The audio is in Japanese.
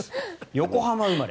横浜生まれ。